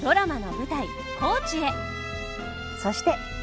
そして。